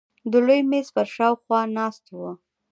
د لوی مېز پر شاوخوا ناست وو.